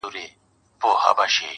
ژوند له امید نه رنګین دی.